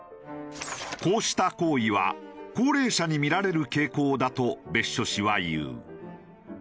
こうした行為は高齢者に見られる傾向だと別所氏は言う。